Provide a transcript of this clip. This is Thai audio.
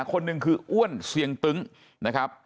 คนหนึ่งคืออ้วนเสียงตึ้งนะครับ